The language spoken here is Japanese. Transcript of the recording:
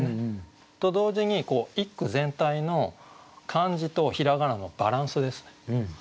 と同時に一句全体の漢字と平仮名のバランスですね。